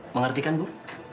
mengerti kan bu